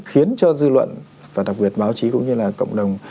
khiến cho dư luận và đặc biệt báo chí cũng như là cộng đồng